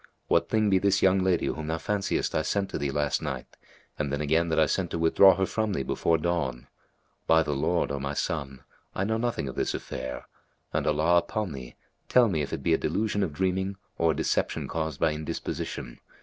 What thing be this young lady whom thou fanciest I sent to thee last night and then again that I sent to withdraw her from thee before dawn? By the Lord, O my son, I know nothing of this affair, and Allah upon thee, tell me if it be a delusion of dreaming or a deception caused by indisposition.